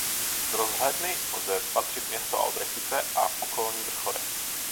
Z rozhledny lze spatřit Město Albrechtice a okolní vrcholy.